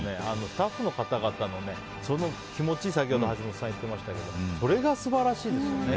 スタッフの方々の気持ち、先ほど橋本さん言ってましたけどそれが素晴らしいですよね